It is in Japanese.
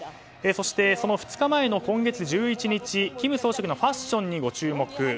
そして、その２日前の今月１１日金総書記のファッションにご注目。